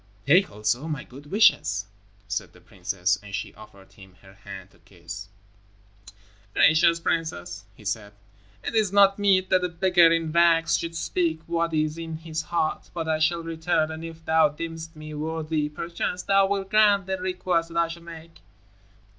"Take also my good wishes," said the princess, and she offered him her hand to kiss. "Gracious princess," he said, "it is not meet that a beggar in rags should speak what is in his heart. But I shall return, and if thou deemest me worthy, perchance thou wilt grant a request that I shall make."